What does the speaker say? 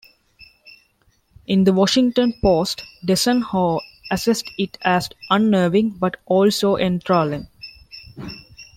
In "The Washington Post", Desson Howe assessed it as "unnerving but also enthralling".